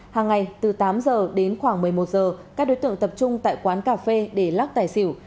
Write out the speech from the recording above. hàng ngày từ tám giờ đến khoảng một mươi một giờ các đối tượng tập trung tại quán cà phê để lắc tài xỉu